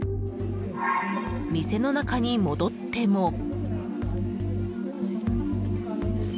店の中に戻っても。